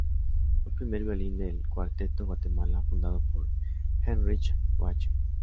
Fue primer violín del Cuarteto Guatemala, fundado por Heinrich Joachim.